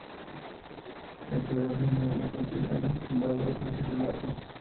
La historiografía moderna considera infundado ese relato.